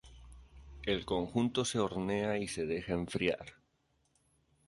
El conjunto se hornea y se deja enfriar.